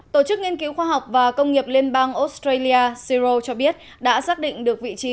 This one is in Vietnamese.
tổ chức nghiên cứu khoa học và công nghiệp liên bang australia siro cho biết đã xác định được vị trí